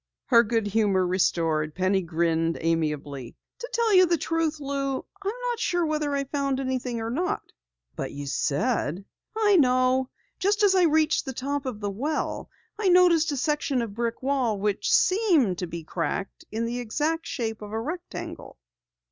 Her good humor restored, Penny grinned amiably. "To tell you the truth, Lou, I'm not sure whether I found anything or not." "But you said " "I know. Just as I reached the top of the well I noticed a section of brick wall which seemed to be cracked in the exact shape of a rectangle."